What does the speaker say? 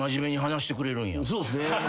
そうっすね。